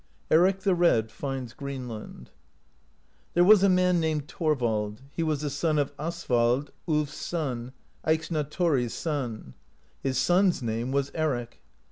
ERIC THE RED FINDS GREENLAND. There was a man named Thorvald; he was a son of Asvald, Ulf s son, Eyxna Thori's son. His son's name was Eric.